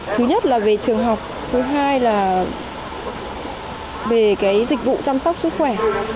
thứ nhất là về trường học thứ hai là về dịch vụ chăm sóc sức khỏe